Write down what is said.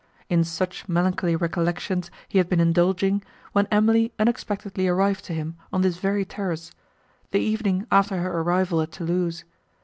In such melancholy recollections he had been indulging, when Emily unexpectedly arrived to him on this very terrace, the evening after her arrival at Thoulouse.